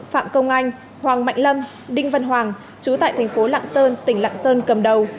phạm công anh hoàng mạnh lâm đinh văn hoàng chú tại thành phố lạng sơn tỉnh lạng sơn cầm đầu